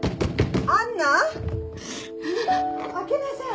開けなさい！